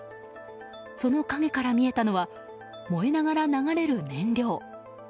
その影から見えたのは燃えながら流れる燃料。